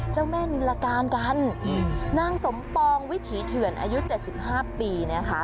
เจ้าแม่นิลลาการกันนางสมปองวิถีเถื่อนอายุเจ็ดสิบห้าปีเนี่ยค่ะ